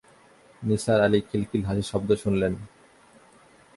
নিসার আলি খিলখিল হাসির শব্দ শুনলেন।